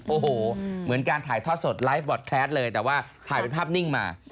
โอ้โหเหมือนการถ่ายทอดสดไลฟ์บอร์ดแคสเลยแต่ว่าถ่ายเป็นภาพนิ่งมา